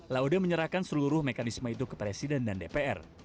laude menyerahkan seluruh mekanisme itu ke presiden dan dpr